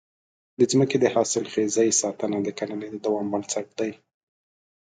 د ځمکې د حاصلخېزۍ ساتنه د کرنې د دوام بنسټ دی.